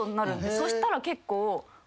そしたら結構。